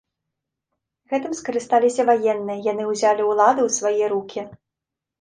Гэтым скарысталіся ваенныя, яні ўзялі ўладу ў свае рукі.